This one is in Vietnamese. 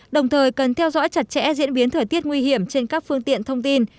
đồng thời cần theo dõi chặt chẽ diễn biến thời tiết nguy hiểm trên các phương tiện thông tin